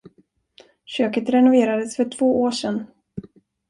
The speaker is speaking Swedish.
Köket renoverades för två år sen.